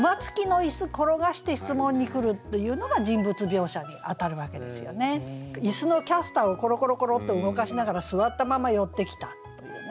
椅子のキャスターをコロコロコロって動かしながら座ったまま寄ってきたっていうね。